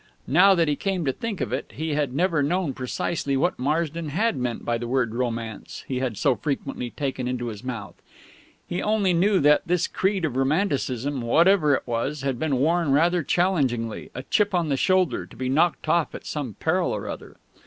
Now that he came to think of it, he had never known precisely what Marsden had meant by the word "Romance" he had so frequently taken into his mouth; he only knew that this creed of Romanticism, whatever it was, had been worn rather challengingly, a chip on the shoulder, to be knocked off at some peril or other.